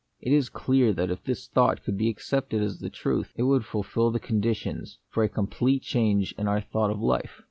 It is clear that if this thought could be accepted as the truth, it would fulfil the conditions for a complete change in our thought of life.